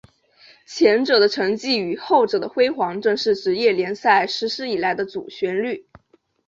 前者的沉寂与后者的辉煌正是职业联赛实施以来的主旋律。